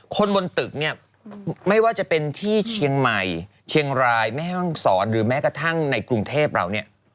คนบนตึกเนี่ยไม่ว่าจะเป็นที่เชียงใหม่เชียงรายแม่ห้องศรหรือแม้กระทั่งในกรุงเทพเราเนี่ย